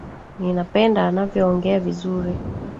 Ninapenda anavyoongea vizuri.